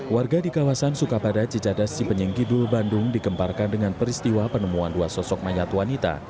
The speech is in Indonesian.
warga di kawasan sukapada cicadas cipenyingkidul bandung dikemparkan dengan peristiwa penemuan dua sosok mayat wanita